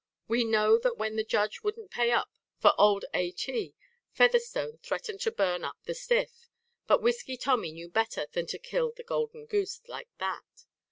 We know that when the Judge wouldn't pay up for old A. T., Featherstone threatened to burn up the stiff; but Whisky Tommy knew better than to kill the golden goose like that.